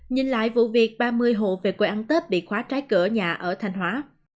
nhìn lại vụ việc ba mươi hộ về quê ăn tết bị khóa trái cửa nhà ở thanh hóa